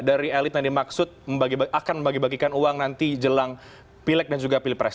dari elit yang dimaksud akan membagi bagikan uang nanti jelang pilek dan juga pilpres